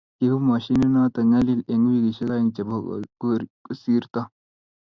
Kiibu mashinit noto nyalil eng wikishe oeng che ko kosirto.